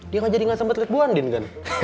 dia ga jadi ga sempet liat bu andin kan